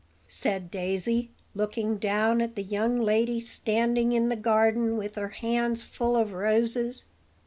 said Daisy, looking down at the young lady standing in the garden with her hands full of roses.